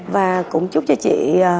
và cũng chúc cho chị